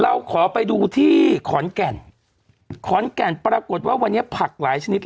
เราขอไปดูที่ขอนแก่นขอนแก่นปรากฏว่าวันนี้ผักหลายชนิด